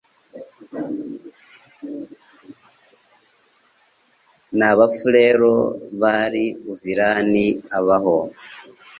n'Abafulero bari Uvirani abaho